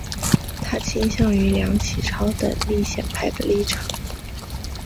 他倾向于梁启超等立宪派的立场。